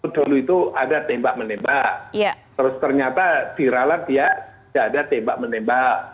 dulu itu ada tembak menembak terus ternyata di ralat dia tidak ada tembak menembak